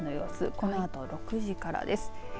このあと６時からです。